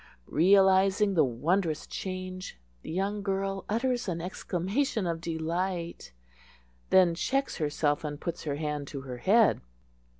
Realizing the wondrous change, the young girl utters an exclamation of delight; then checks herself, and puts her hand to her head.